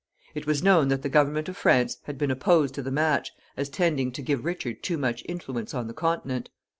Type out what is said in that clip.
It was known that the government of France had been opposed to the match, as tending to give Richard too much influence on the Continent.